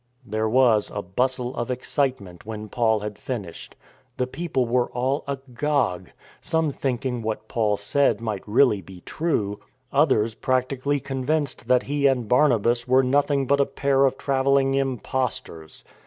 " There was a bustle of excitement when Paul had finished. The people were all agog — some thinking what Paul said might really be true; others practically convinced that he and Barnabas were nothing but a pair of travelling impostors.